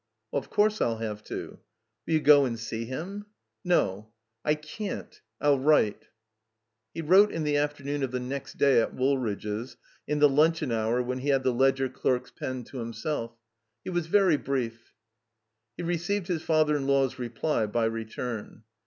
"Of course I'll have to." *'WiIl you go and see him?" "No. I <:an't. I'U write." He wrote in the afternoon of the next day at Wool ridge's, in the limcheon hour when he had the ledger clerks* pen to himself. He was very brief. He received his father in law's reply by return.